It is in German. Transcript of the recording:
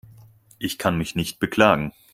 Ich kann mich nicht beklagen.